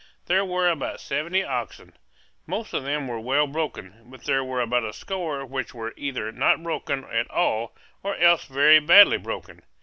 There were about seventy oxen. Most of them were well broken, but there were about a score which were either not broken at all or else very badly broken.